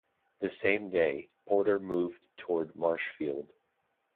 The same day, Porter moved toward Marshfield.